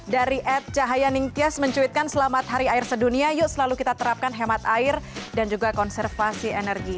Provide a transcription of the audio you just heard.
dari ad cahaya ningtyas mencuitkan selamat hari air sedunia yuk selalu kita terapkan hemat air dan juga konservasi energi